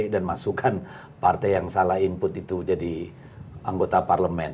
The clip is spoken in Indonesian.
dan masukkan partai yang salah input itu jadi anggota parlemen